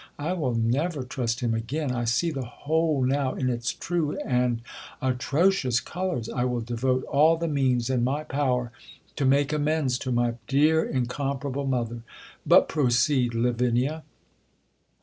I will never trust him again ! I see the whole now in its true and atrocious colours. I will devote all the means in my power to make amends to my dear incomparable mother. But proceed, Lavinia.